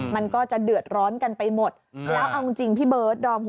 มันก็จะเดือดร้อนกันไปหมด